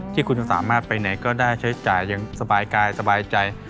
ที่คุณจะสามารถไปไหนก็ได้ใช้จ่ายอย่างสบายกายสบายใจ